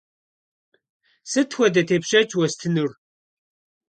Сыт хуэдэ тепщэч уэстынур?